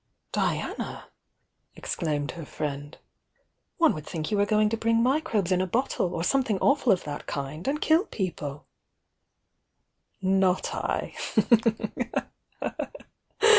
"Diana !" exclaimed her friend. "One would think you were going to bring microbes in a bottle, or some thing awful of that sort, and kill people!" "Not I!"